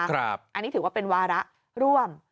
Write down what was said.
อันนี้ถือว่าเป็นวาระร่วม